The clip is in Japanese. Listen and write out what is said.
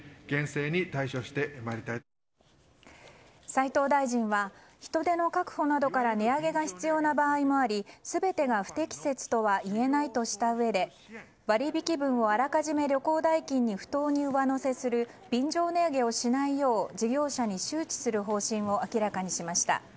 斉藤大臣は人手の確保などから値上げが必要な場合もあり全てが不適切とはいえないとしたうえで割引分をあらかじめ旅行代金に不当に上乗せする便乗値上げをしないよう事業者に周知する方針を明らかにしました。